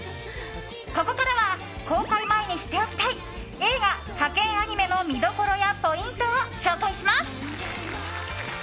ここからは公開前に知っておきたい映画「ハケンアニメ！」の見どころやポイントを紹介します。